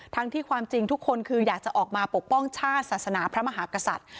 ที่ความจริงทุกคนคืออยากจะออกมาปกป้องชาติศาสนาพระมหากษัตริย์